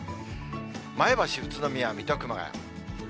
前橋、宇都宮、水戸、熊谷。